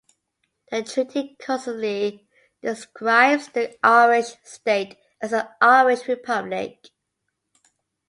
The treaty consistently describes the Irish state as the "Irish Republic".